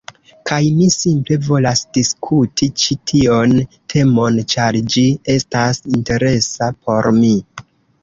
Kaj mi simple volas diskuti ĉi tion temon ĉar ĝi estas interesa por mi.